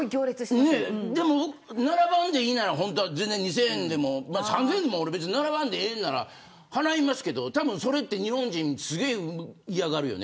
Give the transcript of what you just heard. でも、並ばんでいいなら全然２０００円でも３０００円でも並ばんでええなら払いますけどそれって日本人すごい嫌がるよね。